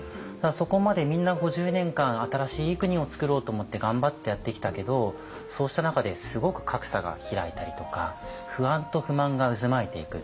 そこまでみんな５０年間新しいいい国をつくろうと思って頑張ってやってきたけどそうした中ですごく格差が開いたりとか不安と不満が渦巻いていく。